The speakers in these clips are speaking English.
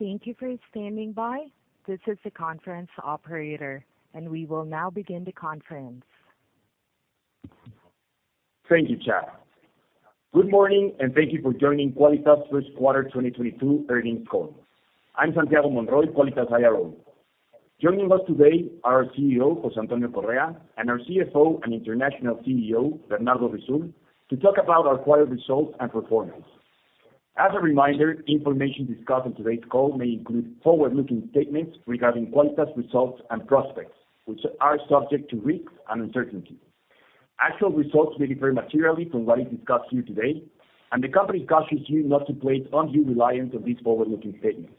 Thank you for standing by. This is the conference operator, and we will now begin the conference. Thank you, Chad. Good morning, and thank you for joining Quálitas first quarter 2022 earnings call. I'm Santiago Monroy, Quálitas IRO. Joining us today are our CEO, José Antonio Correa, and our CFO and International CEO, Bernardo Risoul Salas, to talk about our quarter results and performance. As a reminder, information discussed on today's call may include forward-looking statements regarding Quálitas results and prospects, which are subject to risks and uncertainties. Actual results may differ materially from what is discussed here today, and the company cautions you not to place undue reliance on these forward-looking statements.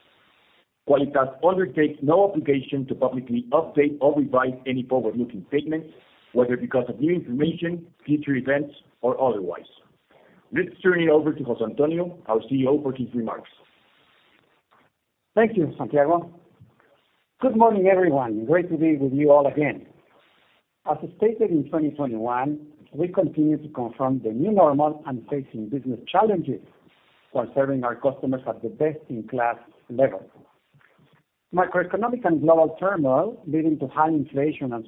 Quálitas undertakes no obligation to publicly update or revise any forward-looking statements, whether because of new information, future events, or otherwise. Let's turn it over to José Antonio, our CEO, for his remarks. Thank you, Santiago. Good morning, everyone. Great to be with you all again. As stated in 2021, we continue to confront the new normal and facing business challenges while serving our customers at the best-in-class level. Microeconomic and global turmoil leading to high inflation and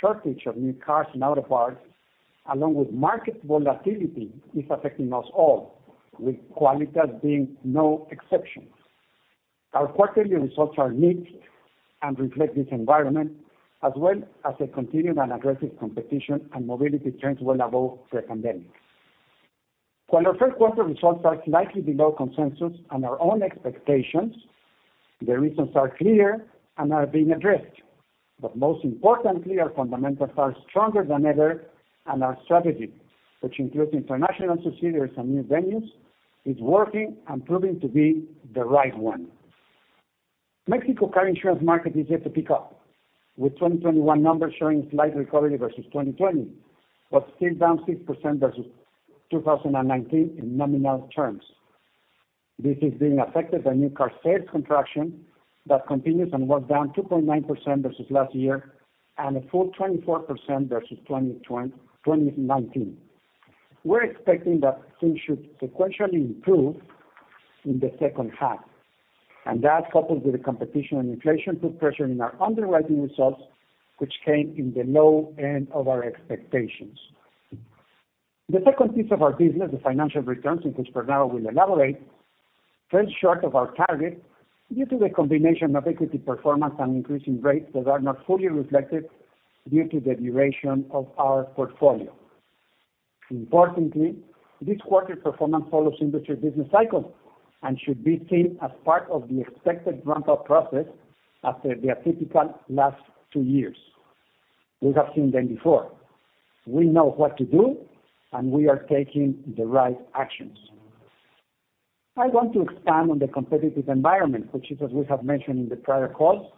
shortage of new cars and auto parts, along with market volatility, is affecting us all, with Quálitas being no exception. Our quarterly results are mixed and reflect this environment, as well as a continued and aggressive competition and mobility trends well above pre-pandemic. While our first quarter results are slightly below consensus and our own expectations, the reasons are clear and are being addressed. Most importantly, our fundamentals are stronger than ever, and our strategy, which includes international subsidiaries and new venues, is working and proving to be the right one. Mexico car insurance market is yet to pick up, with 2021 numbers showing slight recovery versus 2020, but still down 6% versus 2019 in nominal terms. This is being affected by new car sales contraction that continues and was down 2.9% versus last year, and a full 24% versus 2019. We're expecting that things should sequentially improve in the second half, and that, coupled with the competition and inflation, put pressure in our underwriting results, which came in the low end of our expectations. The second piece of our business, the financial returns, in which Bernardo will elaborate, fell short of our target due to the combination of equity performance and increasing rates that are not fully reflected due to the duration of our portfolio. Importantly, this quarter's performance follows industry business cycle and should be seen as part of the expected ramp-up process after the atypical last two years. We have seen them before. We know what to do, and we are taking the right actions. I want to expand on the competitive environment, which is as we have mentioned in the prior calls,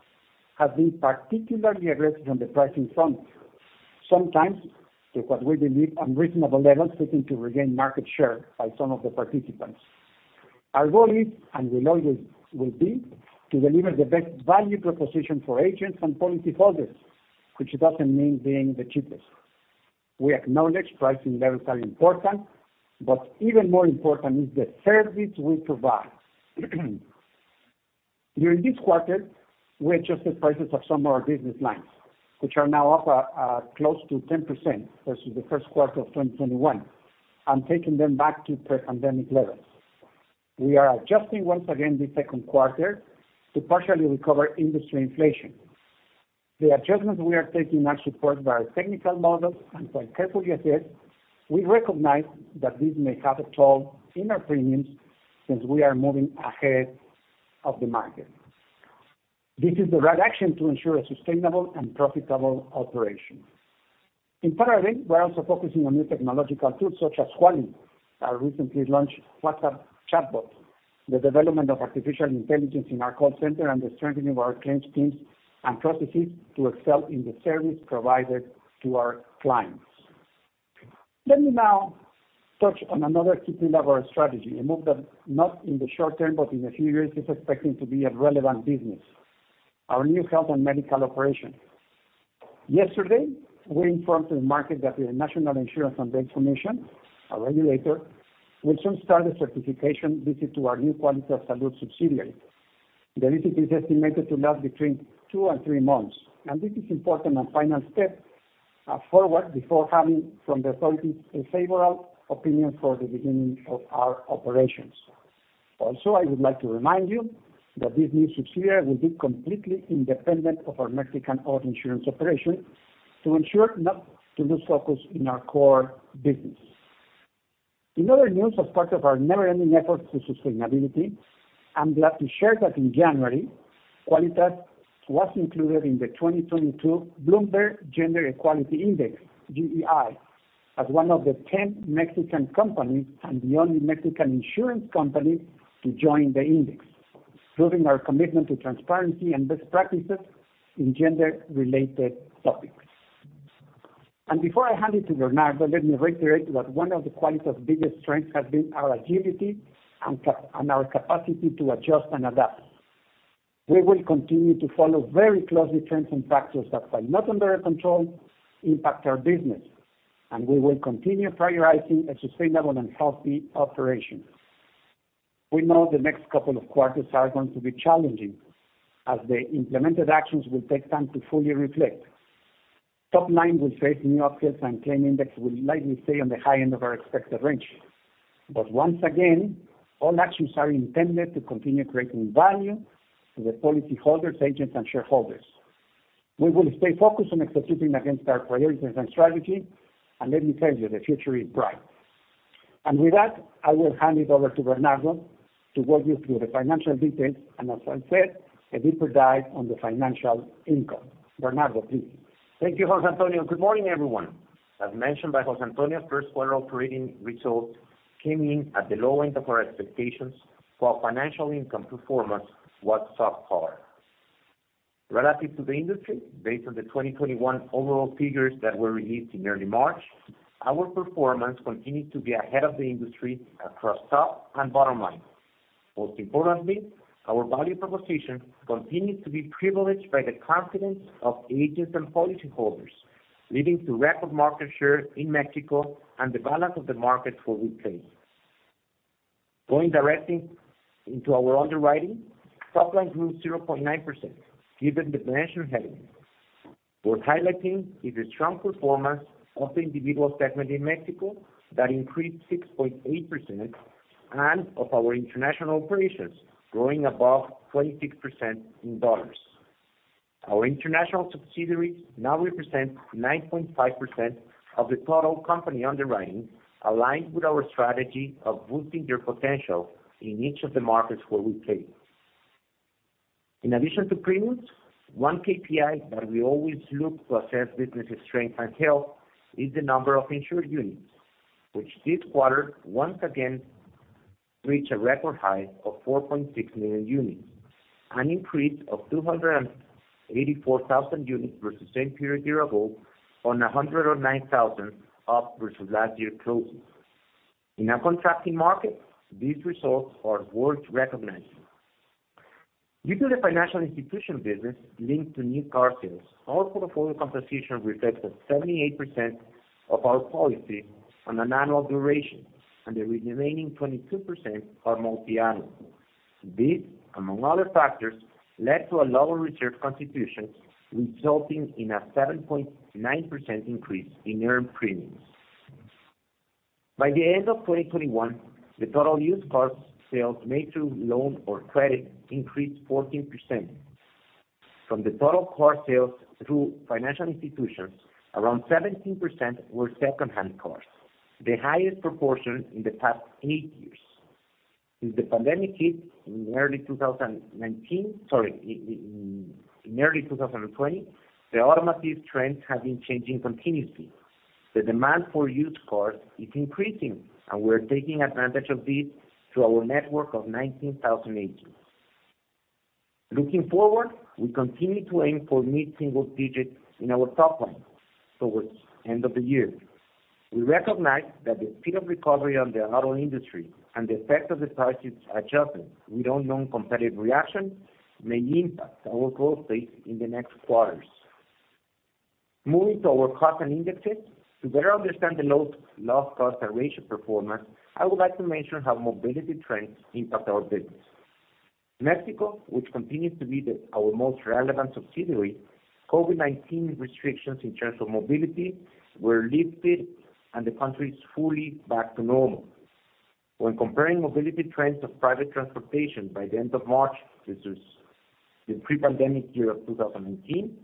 have been particularly aggressive on the pricing front, sometimes to what we believe unreasonable levels seeking to regain market share by some of the participants. Our goal is and will always be to deliver the best value proposition for agents and policyholders, which doesn't mean being the cheapest. We acknowledge pricing levels are important, but even more important is the service we provide. During this quarter, we adjusted prices of some of our business lines, which are now up close to 10% versus the first quarter of 2021 and taking them back to pre-pandemic levels. We are adjusting once again this second quarter to partially recover industry inflation. The adjustments we are taking are supported by our technical models and quite carefully assessed. We recognize that this may have a toll in our premiums since we are moving ahead of the market. This is the right action to ensure a sustainable and profitable operation. In parallel, we're also focusing on new technological tools such as Quali-Bot, our recently launched WhatsApp chatbot, the development of artificial intelligence in our call center, and the strengthening of our claims teams and processes to excel in the service provided to our clients. Let me now touch on another key pillar of our strategy, a move that not in the short term but in a few years is expecting to be a relevant business, our new health and medical operation. Yesterday, we informed the market that the National Insurance and Bonding Commission, our regulator, will soon start a certification visit to our new Quálitas Salud subsidiary. The visit is estimated to last between two and three months, and this is important and final step, forward before having from the authorities a favorable opinion for the beginning of our operations. Also, I would like to remind you that this new subsidiary will be completely independent of our Mexican auto insurance operation to ensure not to lose focus in our core business. In other news, as part of our never-ending effort to sustainability, I'm glad to share that in January, Quálitas was included in the 2022 Bloomberg Gender-Equality Index, GEI, as one of the 10 Mexican companies and the only Mexican insurance company to join the index, proving our commitment to transparency and best practices in gender-related topics. Before I hand it to Bernardo, let me reiterate that one of the Quálitas' biggest strengths has been our agility and our capacity to adjust and adapt. We will continue to follow very closely trends and factors that, while not under our control, impact our business. We will continue prioritizing a sustainable and healthy operation. We know the next couple of quarters are going to be challenging as the implemented actions will take time to fully reflect. Top line will face new upsets and claim index will likely stay on the high end of our expected range. Once again, all actions are intended to continue creating value to the policyholders, agents and shareholders. We will stay focused on executing against our priorities and strategy. Let me tell you, the future is bright. With that, I will hand it over to Bernardo to walk you through the financial details, and as I said, a deeper dive on the financial income. Bernardo, please. Thank you, José Antonio. Good morning, everyone. As mentioned by José Antonio, first quarter operating results came in at the low end of our expectations while financial income performance was subpar. Relative to the industry, based on the 2021 overall figures that were released in early March, our performance continued to be ahead of the industry across top and bottom line. Most importantly, our value proposition continued to be privileged by the confidence of agents and policyholders, leading to record market share in Mexico and the balance of the market where we play. Going directly into our underwriting, top line grew 0.9% given the mentioned headwinds. Worth highlighting is the strong performance of the individual segment in Mexico that increased 6.8%, and of our international operations growing above 26% in dollars. Our international subsidiaries now represent 9.5% of the total company underwriting, aligned with our strategy of boosting their potential in each of the markets where we play. In addition to premiums, one KPI that we always look to assess business strength and health is the number of insured units, which this quarter, once again, reached a record high of 4.6 million units, an increase of 284,000 units versus same period year ago and 109,000 up versus last year closing. In a contracting market, these results are worth recognizing. Due to the financial institution business linked to new car sales, our portfolio composition reflects that 78% of our policy on an annual duration and the remaining 22% are multi-annual. This, among other factors, led to a lower reserve constitution, resulting in a 7.9% increase in earned premiums. By the end of 2021, the total used car sales made through loan or credit increased 14%. From the total car sales through financial institutions, around 17% were secondhand cars, the highest proportion in the past eight years. Since the pandemic hit in early 2020, the automotive trends have been changing continuously. The demand for used cars is increasing, and we're taking advantage of this through our network of 19,000 agents. Looking forward, we continue to aim for mid-single digits in our top line towards end of the year. We recognize that the speed of recovery of the auto industry and the effect of the price adjustments, we don't know competitive reaction may impact our growth rate in the next quarters. Moving to our cost and indexes, to better understand the loss cost and ratio performance, I would like to mention how mobility trends impact our business. Mexico, which continues to be our most relevant subsidiary, COVID-19 restrictions in terms of mobility were lifted and the country is fully back to normal. When comparing mobility trends of private transportation by the end of March versus the pre-pandemic year of 2019,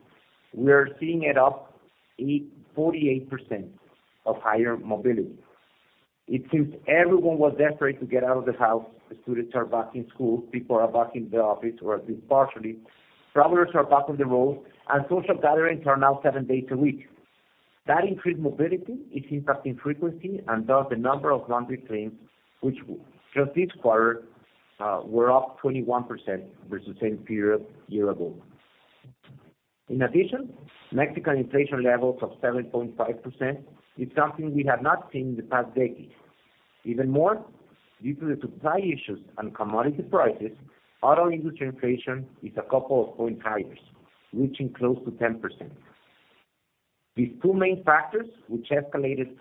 we are seeing it up 48% higher mobility. It seems everyone was desperate to get out of the house. The students are back in school. People are back in the office, or at least partially. Travelers are back on the road and social gatherings are now seven days a week. That increased mobility is impacting frequency and thus the number of liability claims, which just this quarter were up 21% versus the same period a year ago. In addition, Mexican inflation levels of 7.5% is something we have not seen in the past decade. Even more, due to the supply issues and commodity prices, auto industry inflation is a couple of points higher, reaching close to 10%. These two main factors, which escalated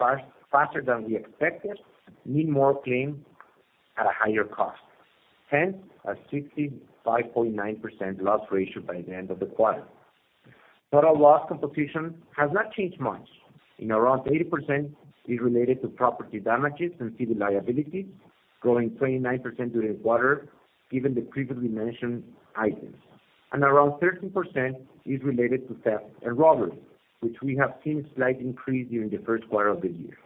faster than we expected, mean more claims at a higher cost. Hence, a 65.9% loss ratio by the end of the quarter. Total loss composition has not changed much, and around 80% is related to property damages and civil liability, growing 29% during the quarter given the previously mentioned items. Around 13% is related to theft and robbery, which we have seen slight increase during the first quarter of the year.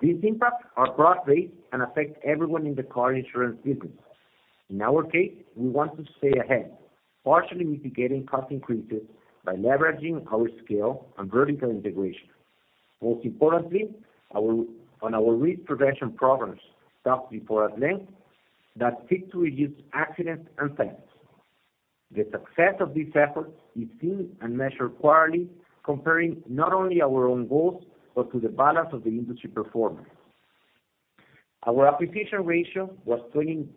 These impacts are cross-rate and affect everyone in the car insurance business. In our case, we want to stay ahead, partially mitigating cost increases by leveraging our scale and vertical integration. Most importantly, our risk prevention programs, discussed before at length, that seek to reduce accidents and thefts. The success of this effort is seen and measured quarterly, comparing not only our own goals, but to the balance of the industry performance. Our acquisition ratio was 23.9%,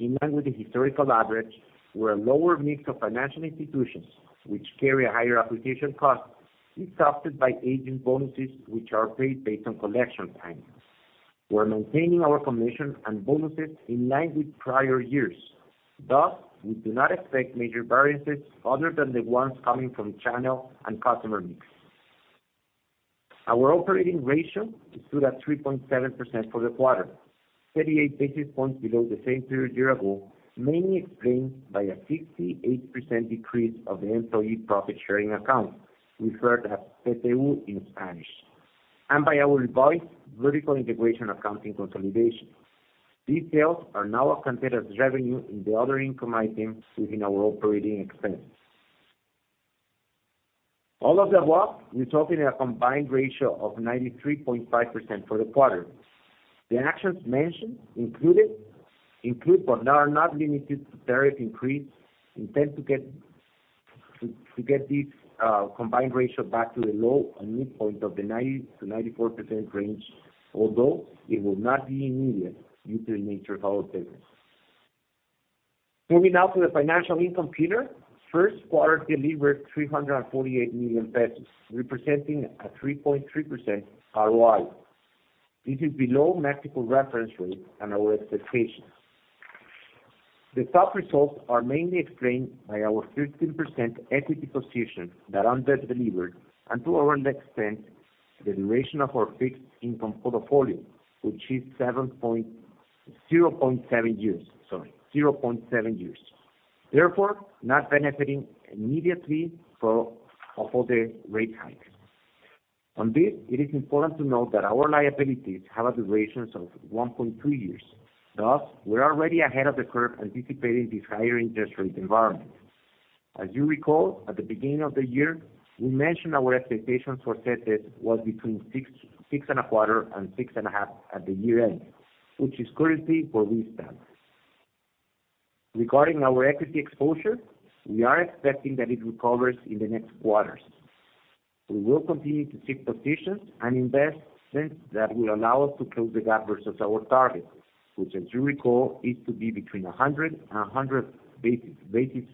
in line with the historical average, where a lower mix of financial institutions, which carry a higher acquisition cost, is offset by agent bonuses which are paid based on collection timing. We're maintaining our commission and bonuses in line with prior years. Thus, we do not expect major variances other than the ones coming from channel and customer mix. Our operating ratio stood at 3.7% for the quarter, 38 basis points below the same period year ago, mainly explained by a 68% decrease of the employee profit-sharing account, referred to as PPE in Spanish, and by our revised vertical integration accounting consolidation. These sales are now considered as revenue in the other income item within our operating expense. All of the above, we're talking a combined ratio of 93.5% for the quarter. The actions mentioned include, but are not limited to tariff increases intended to get this combined ratio back to the low and midpoint of the 90%-94% range, although it will not be immediate due to the nature of our business. Moving now to the financial income pillar. First quarter delivered 348 million pesos, representing a 3.3% ROI. This is below Mexico reference rate and our expectations. The top results are mainly explained by our 15% equity position that under-delivered, and to a lesser extent, the duration of our fixed income portfolio, which is 0.7 years. Therefore, not benefiting immediately from all of the rate hike. On this, it is important to note that our liabilities have durations of 1.2 years. Thus, we're already ahead of the curve anticipating this higher interest rate environment. As you recall, at the beginning of the year, we mentioned our expectations for CETES was between 6%-6.25% and 6.5% at year-end, which is currently where we stand. Regarding our equity exposure, we are expecting that it recovers in the next quarters. We will continue to seek positions and investments that will allow us to close the gap versus our target, which as you recall, is to be 100 basis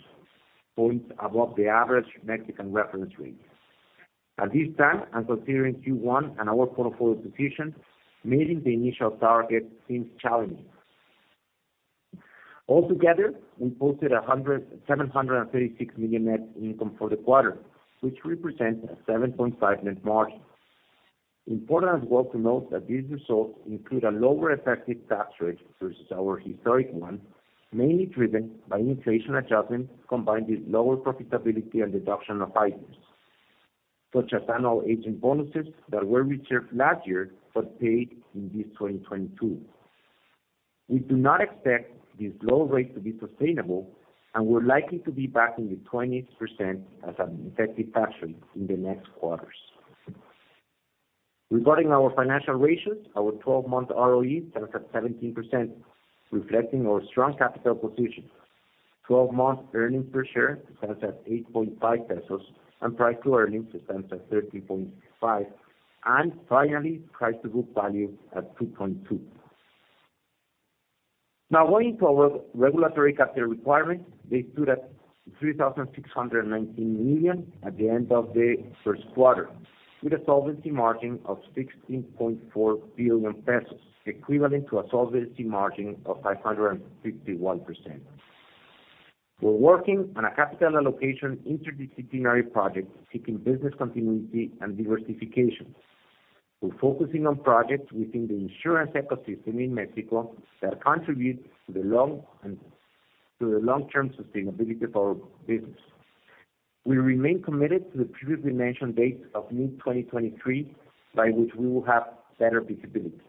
points above the average Mexican reference rate. At this time, and considering Q1 and our portfolio position, meeting the initial target seems challenging. Altogether, we posted 736 million net income for the quarter, which represents a 7.5% net margin. Important as well to note that these results include a lower effective tax rate versus our historic one, mainly driven by inflation adjustments combined with lower profitability and deduction of items, such as annual agent bonuses that were reserved last year, but paid in this 2022. We do not expect this low rate to be sustainable, and we're likely to be back in the 20% as an effective tax rate in the next quarters. Regarding our financial ratios, our 12-month ROE stands at 17%, reflecting our strong capital position. 12-month earnings per share stands at 8.5 pesos, and price to earnings stands at 13.5. Finally, price to book value at 2.2. Now going to our regulatory capital requirements. They stood at 3,619 million at the end of the first quarter, with a solvency margin of 16.4 billion pesos, equivalent to a solvency margin of 551%. We're working on a capital allocation interdisciplinary project seeking business continuity and diversification. We're focusing on projects within the insurance ecosystem in Mexico that contribute to the long-term sustainability of our business. We remain committed to the previously mentioned date of mid-2023, by which we will have better visibility.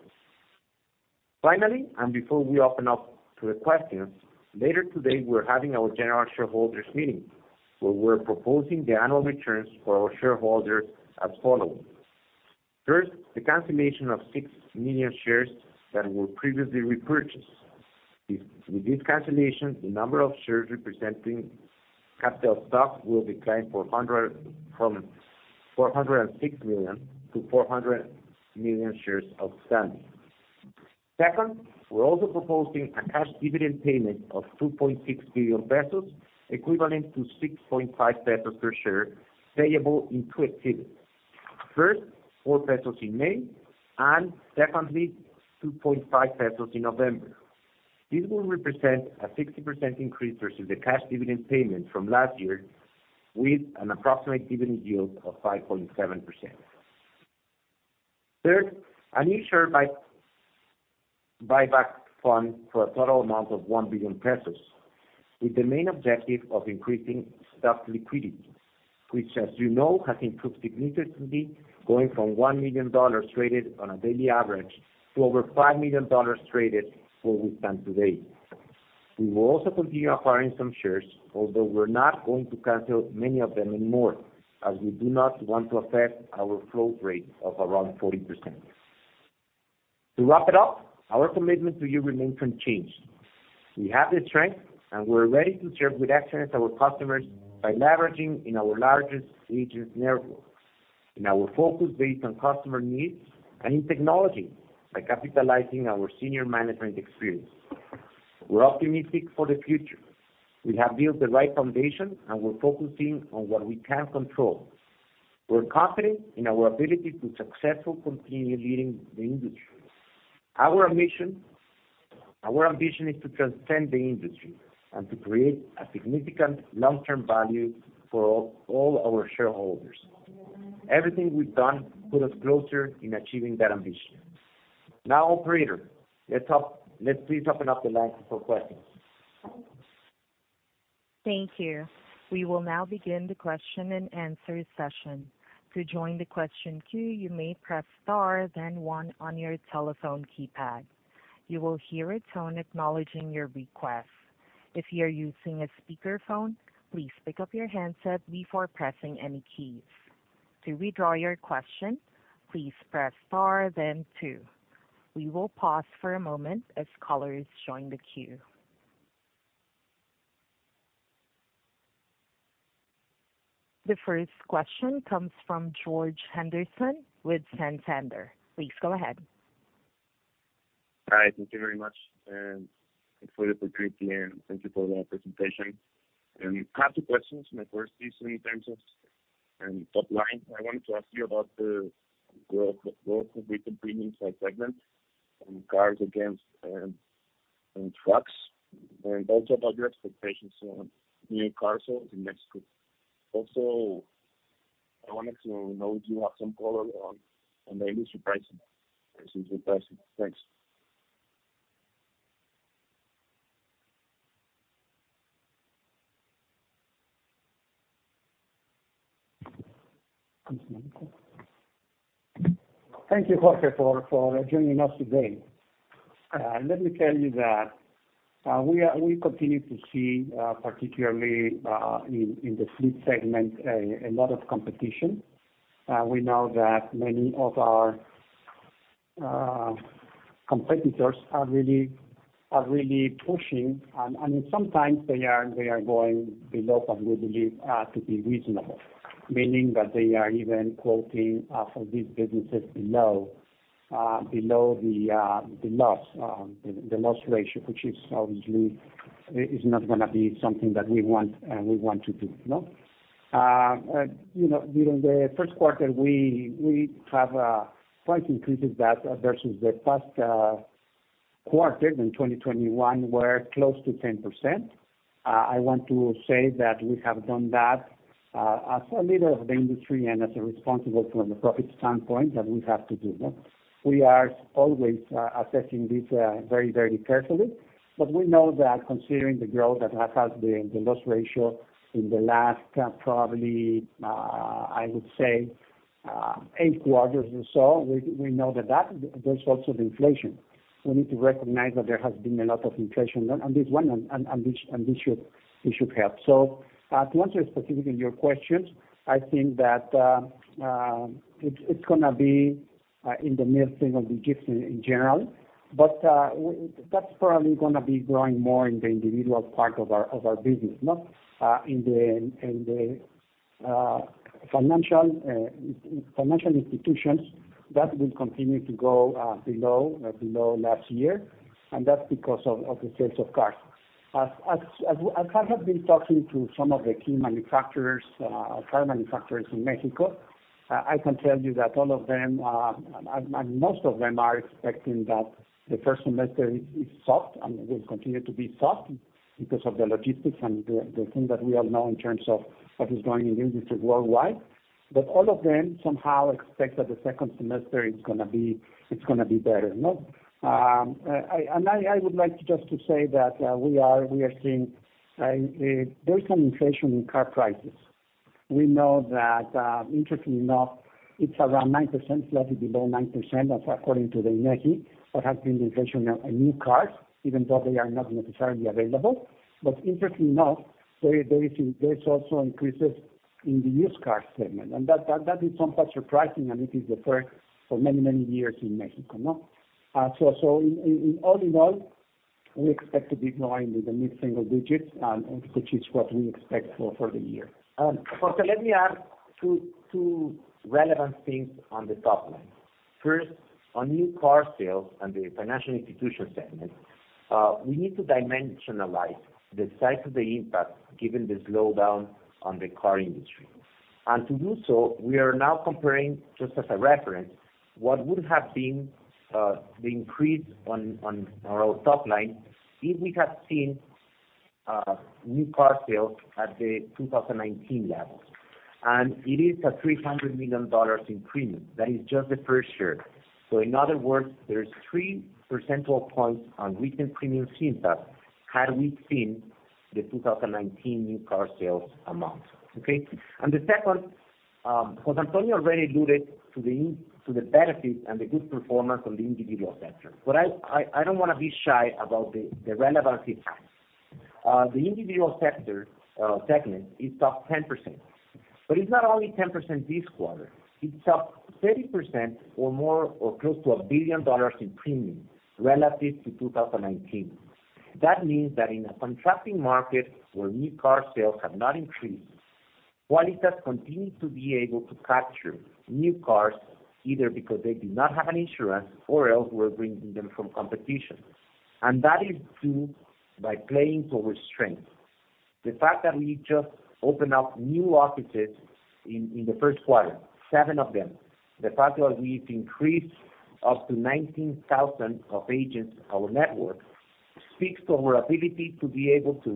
Finally, and before we open up to the questions, later today, we're having our general shareholders meeting, where we're proposing the annual returns for our shareholders as follows. First, the cancellation of 6 million shares that were previously repurchased. With this cancellation, the number of shares representing capital stock will decline from 406 million to 400 million shares outstanding. Second, we're also proposing a cash dividend payment of 2.6 billion pesos, equivalent to 6.5 pesos per share, payable in two installments. First, 4 pesos in May, and secondly, 2.5 pesos in November. This will represent a 60% increase versus the cash dividend payment from last year, with an approximate dividend yield of 5.7%. Third, a new share buyback fund for a total amount of 1 billion pesos, with the main objective of increasing stock liquidity, which, as you know, has improved significantly, going from $1 million traded on a daily average to over $5 million traded where we stand today. We will also continue acquiring some shares, although we're not going to cancel many of them anymore, as we do not want to affect our flow rate of around 40%. To wrap it up, our commitment to you remains unchanged. We have the strength and we're ready to serve with excellence our customers by leveraging in our largest agent network, in our focus based on customer needs and in technology by capitalizing our senior management experience. We're optimistic for the future. We have built the right foundation, and we're focusing on what we can control. We're confident in our ability to successfully continue leading the industry. Our ambition is to transcend the industry and to create a significant long-term value for all our shareholders. Everything we've done put us closer in achieving that ambition. Now, operator, let's please open up the line for questions. Thank you. We will now begin the Q&A session. To join the question queue, you may press star then one on your telephone keypad. You will hear a tone acknowledging your request. If you are using a speakerphone, please pick up your handset before pressing any keys. To withdraw your question, please press star then two. We will pause for a moment as callers join the queue. The first question comes from Jorge Henderson with Santander. Please go ahead. Hi. Thank you very much, and thanks for the opportunity, and thank you for the presentation. I have two questions. My first is in terms of the top line. I wanted to ask you about the growth of written premium segment on cars against on trucks and also about your expectations on new car sales in Mexico. Also, I wanted to know if you have some color on the industry pricing. This is impressive. Thanks. Thank you, Jorge, for joining us today. Let me tell you that we continue to see, particularly, in the fleet segment a lot of competition. We know that many of our competitors are really pushing, and sometimes they are going below what we believe to be reasonable. Meaning that they are even quoting for these businesses below the loss ratio, which obviously is not gonna be something that we want to do, you know? You know, during the first quarter, we have price increases that versus the past quarter in 2021 were close to 10%. I want to say that we have done that as a leader of the industry and as a responsible from a profit standpoint that we have to do that. We are always assessing this very, very carefully. We know that considering the growth that has had the loss ratio in the last probably I would say eight quarters or so, we know that there's also the inflation. We need to recognize that there has been a lot of inflation on this one and this should help. To answer specifically your questions, I think that it's gonna be in the mid-single digits in general. That's probably gonna be growing more in the individual part of our business, not in the financial institutions that will continue to grow below last year. That's because of the sales of cars. As I have been talking to some of the key car manufacturers in Mexico, I can tell you that all of them and most of them are expecting that the first semester is soft and will continue to be soft because of the logistics and the thing that we all know in terms of what's going on in the industry worldwide. All of them somehow expect that the second semester is gonna be better. I would like just to say that we are seeing there's some inflation in car prices. We know that, interestingly enough, it's around 9%, slightly below 9%, as according to the INEGI, what has been the inflation of new cars, even though they are not necessarily available. Interestingly enough, there's also increases in the used car segment. That is sometimes surprising, and it is the first for many years in Mexico, you know? In all, we expect to be growing in the mid-single digits, which is what we expect for the year. José, let me add two relevant things on the top line. First, on new car sales and the financial institution segment, we need to dimensionalize the size of the impact given the slowdown on the car industry. To do so, we are now comparing, just as a reference, what would have been the increase on our top line if we had seen new car sales at the 2019 level. It is $300 million in premium. That is just the first year. In other words, there's three percentage points on written premiums impact had we seen the 2019 new car sales amounts. Okay? The second, Jose Antonio already alluded to the benefit and the good performance on the individual sector. I don't wanna be shy about the relevancy. The individual sector segment is up 10%. It's not only 10% this quarter, it's up 30% or more or close to $1 billion in premium relative to 2019. That means that in a contracting market where new car sales have not increased, Quálitas continue to be able to capture new cars, either because they did not have an insurance or else we're bringing them from competition. That is through by playing to our strength. The fact that we just opened up new offices in the first quarter, seven of them. The fact that we've increased up to 19,000 of agents, our network, speaks to our ability to be able to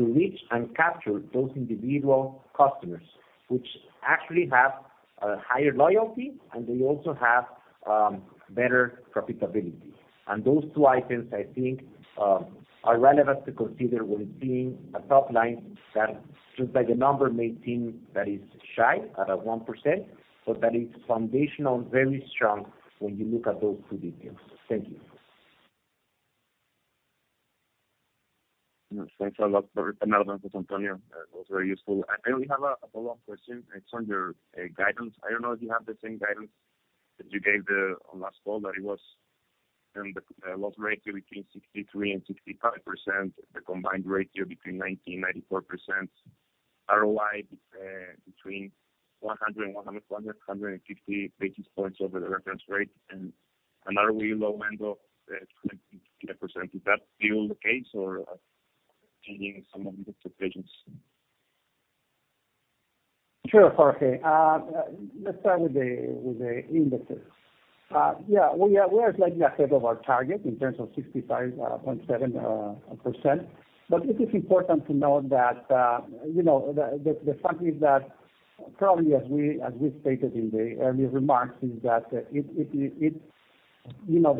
reach and capture those individual customers, which actually have higher loyalty, and they also have better profitability. Those two items, I think, are relevant to consider when seeing a top line that just by the number may seem that is shy at 1%, but that is foundational, very strong when you look at those two details. Thank you. Thanks a lot for the analysis, Antonio. That was very useful. I only have a follow-up question. It's on your guidance. I don't know if you have the same guidance that you gave on last call, but it was the loss ratio between 63%-65%, the combined ratio between 90%-94%, ROI between 100-150 basis points over the reference rate and another really low end of 20%. Is that still the case or have you changed some of the projections? Sure, Jorge. Let's start with the indices. We are slightly ahead of our target in terms of 65.7%. But it is important to note that, you know, the fact is that probably, as we stated in the early remarks, the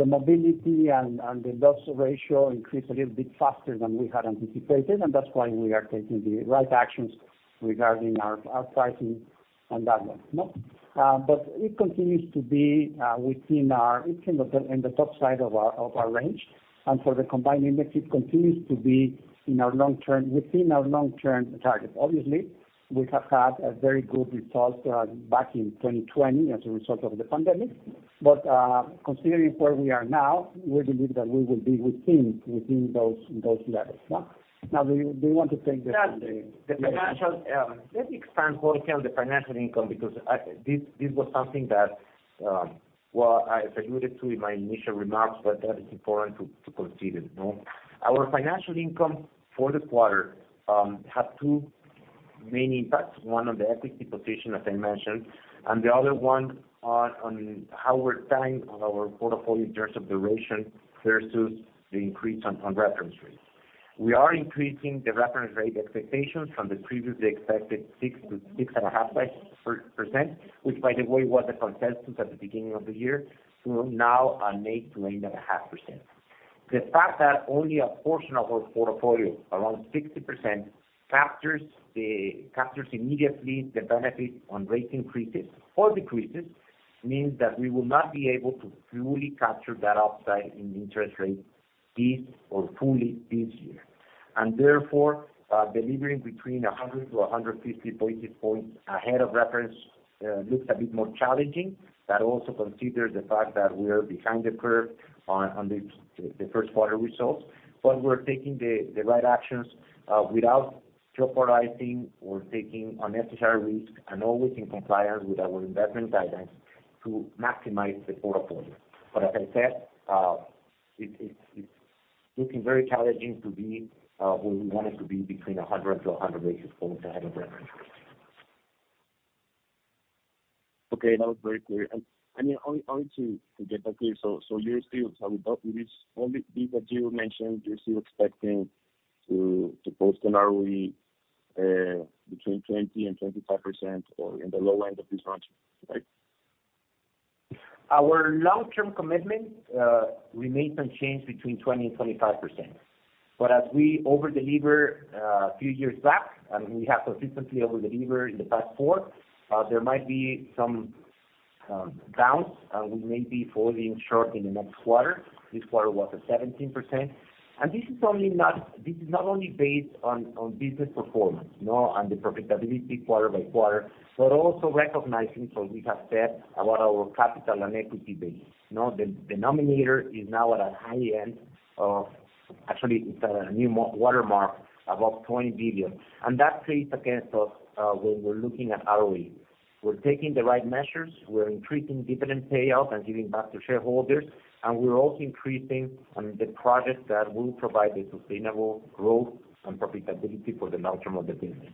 mobility and the loss ratio increased a little bit faster than we had anticipated, and that's why we are taking the right actions regarding our pricing and that one. No? But it continues to be within our, it's in the top side of our range. For the combined index, it continues to be in our long term, within our long-term target. Obviously, we have had a very good result back in 2020 as a result of the pandemic. Considering where we are now, we believe that we will be within those levels. No? Now, do you want to take the. Yeah. The financial, let me expand, José, on the financial income, because this was something that, well, I alluded to in my initial remarks, that is important to consider. No? Our financial income for the quarter had two main impacts. One on the equity position, as I mentioned, and the other one on how we're tying our portfolio in terms of duration versus the increase on reference rates. We are increasing the reference rate expectations from the previously expected 6% to 6.5%, which by the way, was the consensus at the beginning of the year, to now a mid to 8.5%. The fact that only a portion of our portfolio, around 60%, captures immediately the benefit on rate increases or decreases, means that we will not be able to fully capture that upside in interest rates this or fully this year. Therefore, delivering between 100-150 basis points ahead of reference looks a bit more challenging. That also considers the fact that we are behind the curve on the first quarter results. We're taking the right actions without jeopardizing or taking unnecessary risk and always in compliance with our investment guidance to maximize the portfolio. As I said, it's looking very challenging to be where we want it to be between 100-100 basis points ahead of reference. Okay, that was very clear. I mean, only to get that clear. You're still telling that with this, all the that you mentioned, you're still expecting to post an ROE between 20%-25% or in the low end of this range. Right? Our long-term commitment remains unchanged between 20%-25%. As we over-deliver a few years back, and we have consistently over-delivered in the past four, there might be some bounce, and we may be falling short in the next quarter. This quarter was at 17%. This is not only based on business performance, you know, and the profitability quarter by quarter, but also recognizing what we have said about our capital and equity base. You know, the numerator is now at a high end of. Actually, it's at a new high watermark above 20 billion. That plays against us when we're looking at ROE. We're taking the right measures. We're increasing dividend payout and giving back to shareholders, and we're also increasing on the projects that will provide the sustainable growth and profitability for the long term of the business.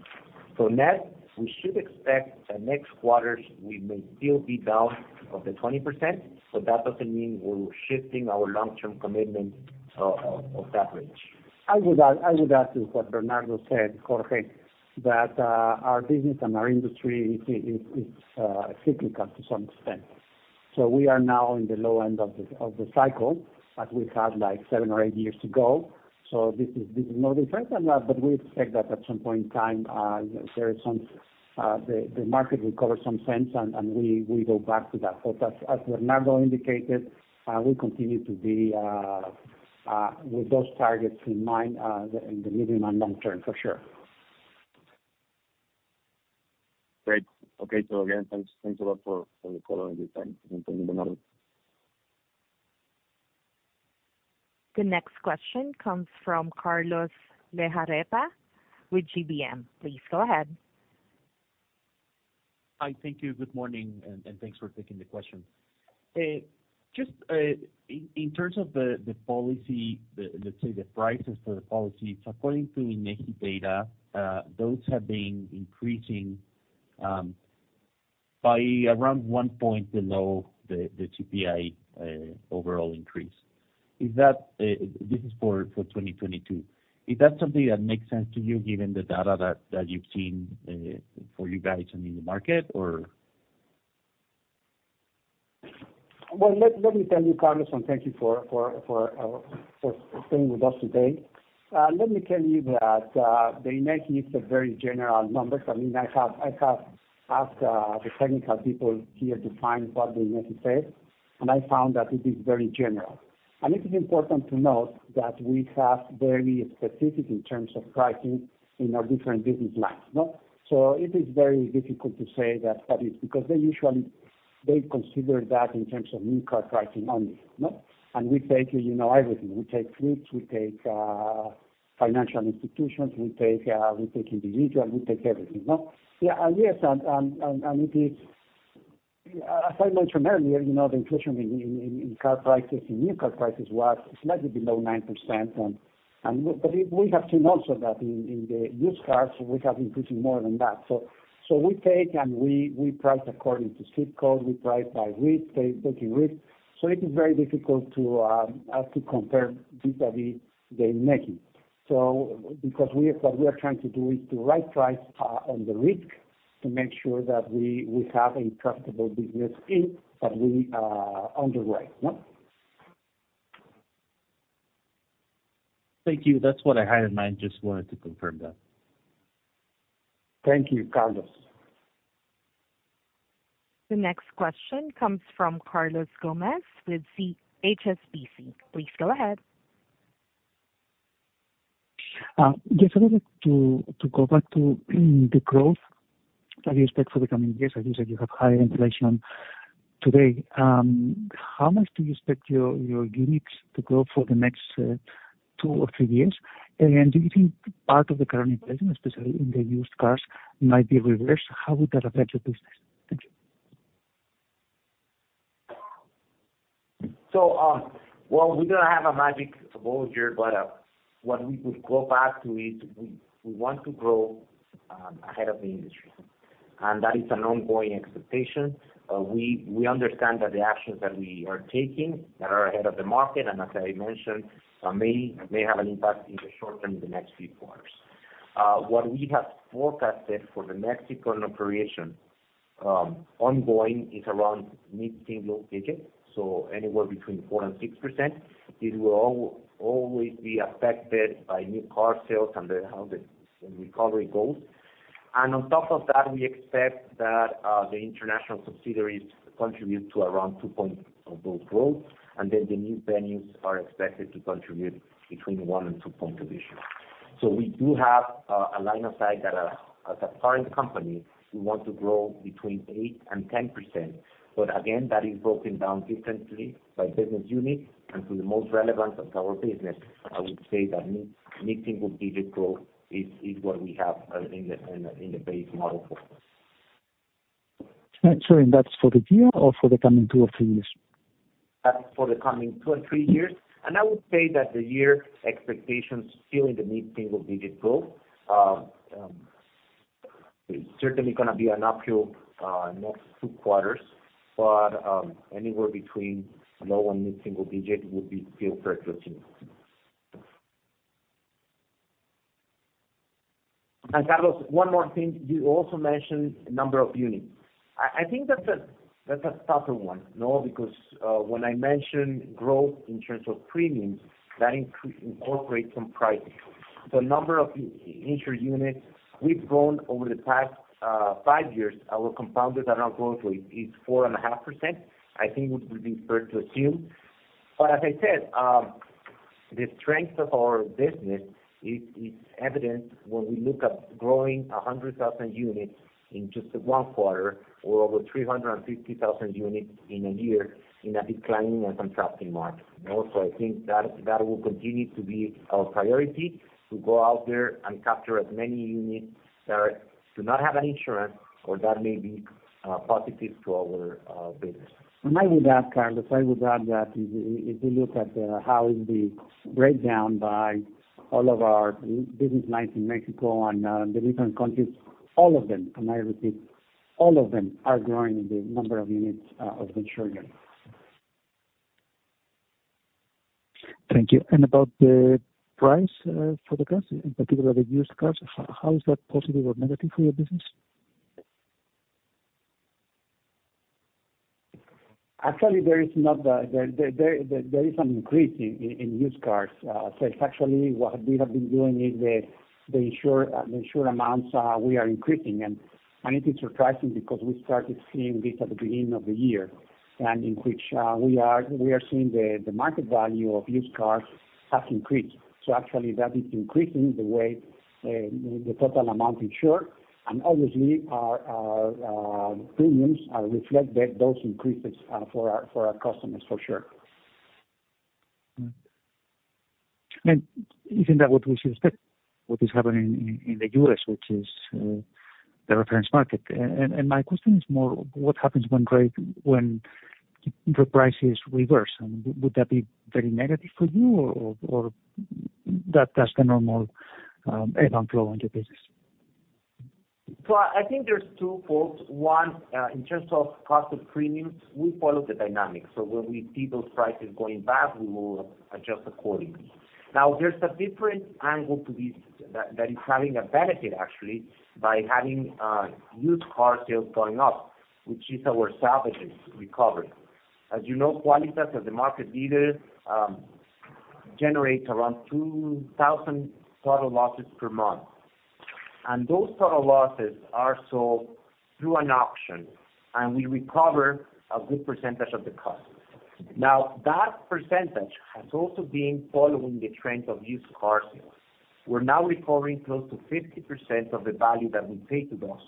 Net, we should expect the next quarters we may still be down off the 20%, but that doesn't mean we're shifting our long-term commitment of that range. I would add to what Bernardo said, Jorge, that our business and our industry is cyclical to some extent. We are now in the low end of the cycle, but we've had like seven or eight years to go. This is no different than that, but we expect that at some point in time the market recovers some sense and we go back to that. As Bernardo indicated, we continue to be with those targets in mind in the medium and long term, for sure. Great. Okay. Again, thanks a lot for the call and your time. Thank you very much. The next question comes from Carlos Legarreta with GBM. Please go ahead. Hi. Thank you. Good morning, and thanks for taking the question. Just in terms of the policy, let's say the prices for the policy, according to INEGI data, those have been increasing by around one point below the CPI overall increase. This is for 2022. Is that something that makes sense to you given the data that you've seen for you guys in the market or? Let me tell you, Carlos, and thank you for staying with us today. Let me tell you that the INEGI is a very general numbers. I mean, I have asked the technical people here to find what the INEGI says, and I found that it is very general. It is important to note that we have very specific in terms of pricing in our different business lines. No? It is very difficult to say that that is because they usually, they consider that in terms of new car pricing only. No? We take, you know, everything. We take fleets, we take financial institutions, we take individual, we take everything. No? Yeah. Yes, it is. As I mentioned earlier, you know, the inflation in car prices and new car prices was slightly below 9%. But we have seen also that in the used cars, we have increasing more than that. We take and we price according to street rate, we price by risk, taking risk. It is very difficult to us to compare vis-a-vis the INEGI. Because what we are trying to do is to right price on the risk to make sure that we have a profitable business in that we are on the way. No? Thank you. That's what I had in mind. Just wanted to confirm that. Thank you, Carlos. The next question comes from Carlos Gomez-Lopez with HSBC. Please go ahead. Just wanted to go back to the growth that you expect for the coming years. I think that you have higher inflation today. How much do you expect your units to grow for the next two or three years? Do you think part of the current inflation, especially in the used cars, might be reversed? How would that affect your business? Thank you. Well, we don't have a magic ball here, but what we would go back to is we want to grow ahead of the industry. That is an ongoing expectation. We understand that the actions that we are taking that are ahead of the market, and as I mentioned, may have an impact in the short term in the next few quarters. What we have forecasted for the Mexican operation ongoing is around mid-single digit, so anywhere between 4%-6%. It will always be affected by new car sales and how the recovery goes. On top of that, we expect that the international subsidiaries contribute to around two points of that growth. Then the new venues are expected to contribute between one and two points. We do have a line of sight that, as a parent company, we want to grow between 8%-10%. Again, that is broken down differently by business unit. To the most relevant of our business, I would say that mid-single digit growth is what we have in the base model for us. Sorry. That's for the year or for the coming two or three years? That's for the coming two and three years. I would say that the year expectations still in the mid-single digit growth. It's certainly gonna be an uphill next two quarters. Anywhere between low and mid-single digit would be still fair to assume. Carlos, one more thing. You also mentioned number of units. I think that's a tougher one. No? Because when I mention growth in terms of premiums, that incorporates some pricing. The number of insured units we've grown over the past five years, our compounded annual growth rate is 4.5%, I think would be fair to assume. As I said, the strength of our business is evident when we look at growing 100,000 units in just one quarter or over 350,000 units in a year in a declining and contracting market. No? I think that will continue to be our priority, to go out there and capture as many units that do not have an insurance or that may be positive to our business. I would add, Carlos, that if you look at how is the breakdown by all of our business lines in Mexico and the different countries, all of them, and I repeat, all of them are growing in the number of units of insured units. Thank you. About the price for the cars, in particular the used cars, how is that positive or negative for your business? Actually, there is an increase in used car sales. Actually, what we have been doing is increasing the insured amounts. It is surprising because we started seeing this at the beginning of the year, and in which we are seeing the market value of used cars has increased. So actually that is increasing the total amount insured. Obviously our premiums reflect those increases for our customers, for sure. Isn't that what we should expect, what is happening in the U.S., which is the reference market? My question is more, what happens when the prices reverse? Would that be very negative for you? Or that's the normal ebb and flow in your business. Well, I think there's twofold. One, in terms of cost of premiums, we follow the dynamics. So when we see those prices going back, we will adjust accordingly. Now, there's a different angle to this that is having a benefit actually by having used car sales going up, which is our salvage recovery. As you know, Quálitas, as the market leader, generates around 2,000 total losses per month. Those total losses are sold through an auction, and we recover a good percentage of the cost. Now, that percentage has also been following the trend of used car sales. We're now recovering close to 50% of the value that we pay to those,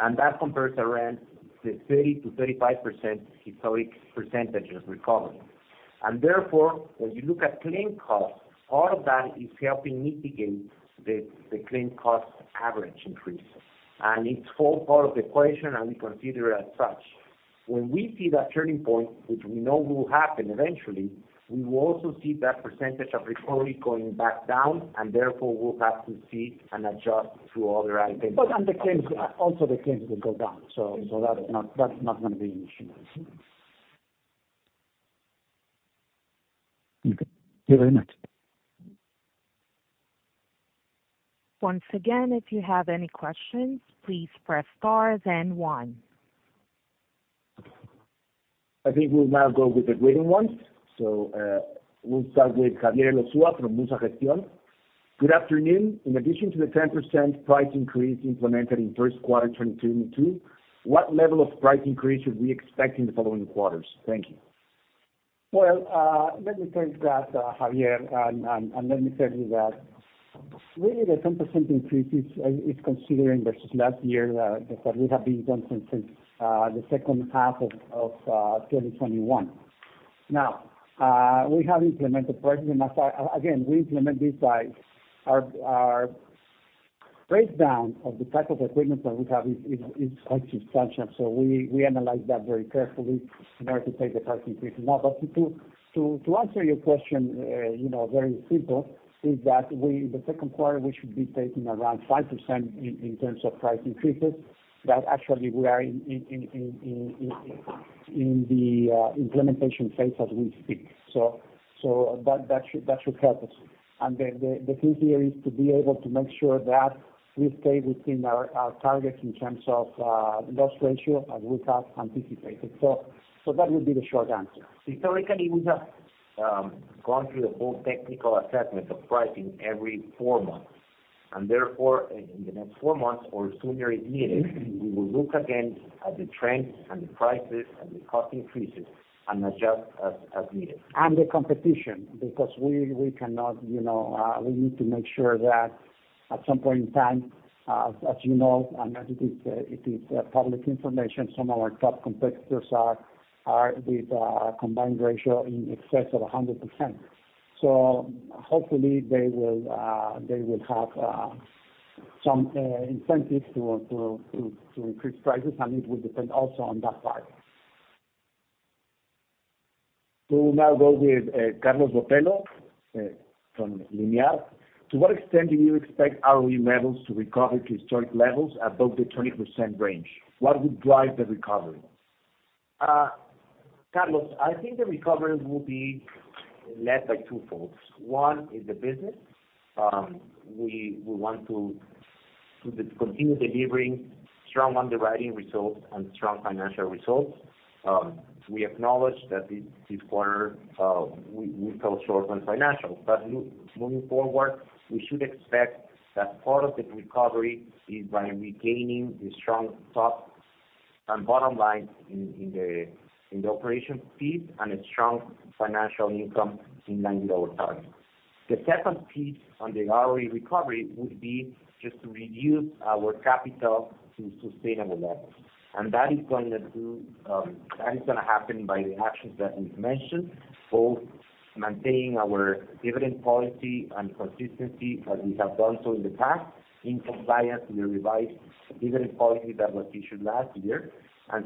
and that compares around the 30%-35% historic percentage of recovery. Therefore, when you look at claim costs, all of that is helping mitigate the claim cost average increase. It's all part of the equation, and we consider it as such. When we see that turning point, which we know will happen eventually, we will also see that percentage of recovery going back down, and therefore, we'll have to see and adjust to other items. On the claims, also the claims will go down. That's not gonna be an issue, I assume. Okay. Thank you very much. Once again, if you have any questions, please press star then one. I think we'll now go with the waiting ones. We'll start with Javier Elosúa from Muza Gestión. Good afternoon. In addition to the 10% price increase implemented in first quarter 2022, what level of price increase should we expect in the following quarters? Thank you. Well, let me take that, Javier. Let me tell you that really the 10% increase is consistent versus last year that we have been doing since the second half of 2021. Now, we have implemented pricing. Again, we implement this by our breakdown of the type of equipment that we have is quite substantial. We analyze that very carefully in order to take the price increase. Now, to answer your question, you know, very simply, is that we in the second quarter should be taking around 5% in terms of price increases. That, actually, we are in the implementation phase as we speak. That should help us. The key here is to be able to make sure that we stay within our targets in terms of loss ratio as we have anticipated. That would be the short answer. Historically, we have gone through the whole technical assessment of pricing every four months. Therefore, in the next four months or sooner if needed, we will look again at the trends and the prices and the cost increases and adjust as needed. The competition, because we cannot, you know, we need to make sure that at some point in time, as you know, and as it is public information, some of our top competitors are with combined ratio in excess of 100%. Hopefully, they will have some incentive to increase prices, and it will depend also on that part. We will now go with Carlos Botello from Línea. To what extent do you expect ROE levels to recover to historic levels above the 20% range? What would drive the recovery? Carlos, I think the recovery will be led by two folds. One is the business. We want to continue delivering strong underwriting results and strong financial results. We acknowledge that this quarter we fell short on financials. Moving forward, we should expect that part of the recovery is by regaining the strong top and bottom line in the operations and a strong financial income in line with our targets. The second piece on the ROE recovery would be just to reduce our capital to sustainable levels. That is gonna happen by the actions that we've mentioned, both maintaining our dividend policy and consistency as we have done so in the past, in compliance with the revised dividend policy that was issued last year.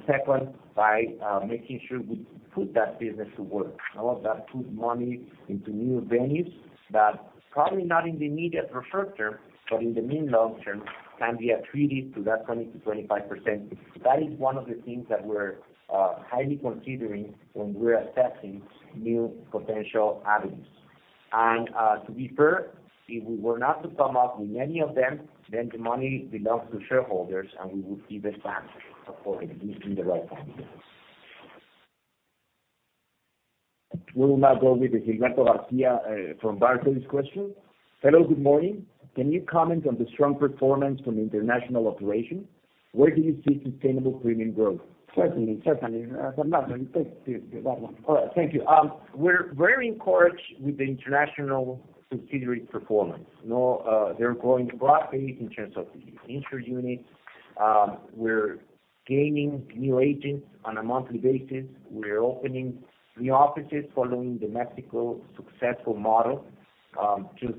Second, by making sure we put that business to work. A lot of that put money into new avenues that probably not in the immediate or short term, but in the mid- to long-term, can be accretive to that 20%-25%. That is one of the things that we're highly considering when we're assessing new potential avenues. To be fair, if we were not to come up with any of them, then the money belongs to shareholders, and we would see the stocks accordingly in the right time. We will now go with Roberto Garcia from Barclays question. Hello, good morning. Can you comment on the strong performance from the international operation? Where do you see sustainable premium growth? Certainly. Roberto, you take that one. All right. Thank you. We're very encouraged with the international subsidiary performance. They're growing broadly in terms of the inter-units. We're gaining new agents on a monthly basis. We're opening new offices following the Mexico successful model. Just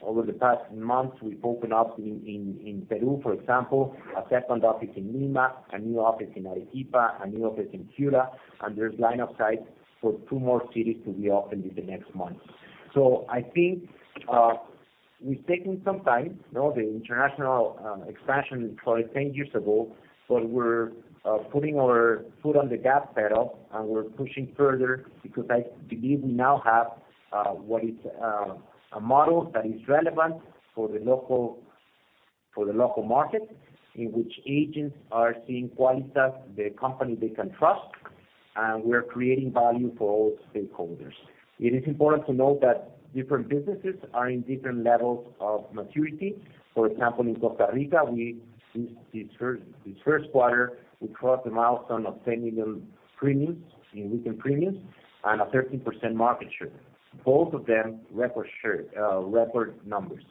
over the past month, we've opened up in Peru, for example, a second office in Lima, a new office in Arequipa, a new office in Cusco, and there's line of sight for two more cities to be opened in the next month. So I think it's taking some time. You know, the international expansion we tried 10 years ago, but we're putting our foot on the gas pedal, and we're pushing further because I believe we now have what is a model that is relevant for the local market, in which agents are seeing Quálitas, the company they can trust, and we're creating value for all stakeholders. It is important to note that different businesses are in different levels of maturity. For example, in Costa Rica, in the first quarter, we crossed the milestone of 10 million in written premiums and a 13% market share, both of them record share, record numbers.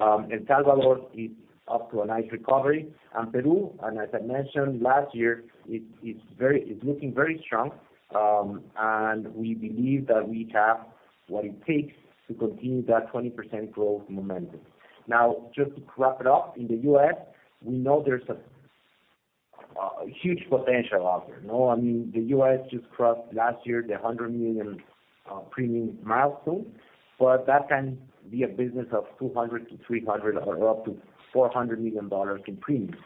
El Salvador is up to a nice recovery. Peru, as I mentioned last year, it's looking very strong. We believe that we have what it takes to continue that 20% growth momentum. Now, just to wrap it up, in the U.S., we know there's a huge potential out there. You know, I mean, the U.S. just crossed last year the $100 million premium milestone, but that can be a business of $200 million-$300 million or up to $400 million in premiums.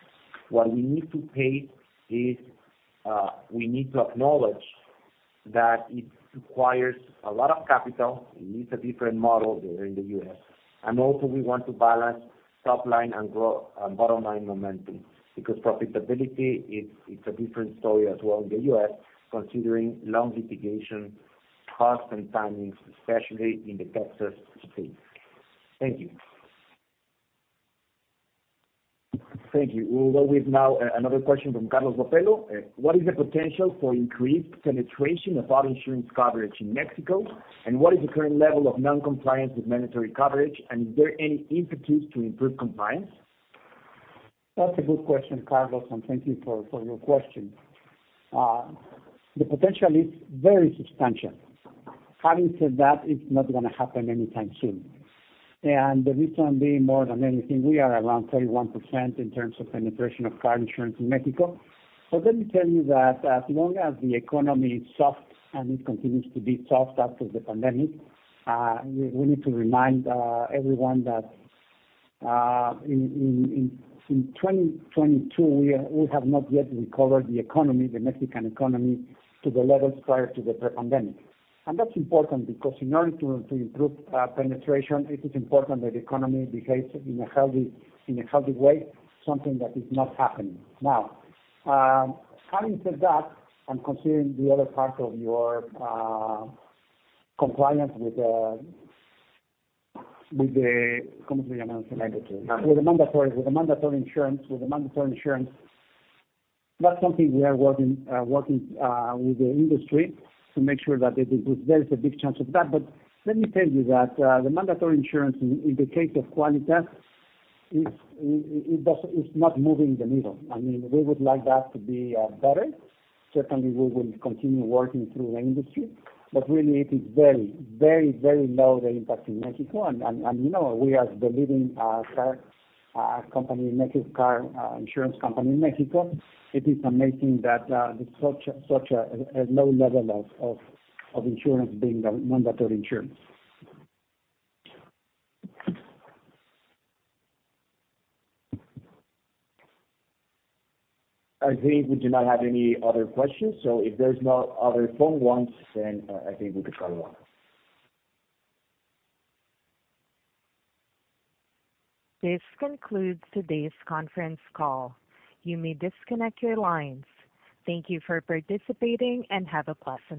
What we need to pay attention to is we need to acknowledge that it requires a lot of capital. It needs a different model there in the U.S. We want to balance top line and bottom line momentum because profitability is a different story as well in the U.S. considering long litigation costs and timings, especially in the Texas state. Thank you. Thank you. We'll go with now another question from Carlos Botello. What is the potential for increased penetration of auto insurance coverage in Mexico? And what is the current level of non-compliance with mandatory coverage? And is there any impetus to improve compliance? That's a good question, Carlos, and thank you for your question. The potential is very substantial. Having said that, it's not gonna happen anytime soon. The reason being, more than anything, we are around 31% in terms of penetration of car insurance in Mexico. Let me tell you that as long as the economy is soft, and it continues to be soft after the pandemic, we need to remind everyone that in 2022, we have not yet recovered the economy, the Mexican economy, to the levels prior to the pre-pandemic. That's important because in order to improve penetration, it is important that the economy behaves in a healthy way, something that is not happening. Now, having said that, and considering the other part of your compliance with the mandatory insurance, that's something we are working with the industry to make sure that it improves. There is a big chance of that. Let me tell you that the mandatory insurance in the case of Quálitas is, it's not moving the needle. I mean, we would like that to be better. Certainly, we will continue working through the industry. Really it is very low, the impact in Mexico. You know, we are the leading car insurance company in Mexico. It is amazing that there's such a low level of insurance being the mandatory insurance. I think we do not have any other questions. If there's no other phone ones, then I think we could call it a wrap. This concludes today's conference call. You may disconnect your lines. Thank you for participating, and have a pleasant day.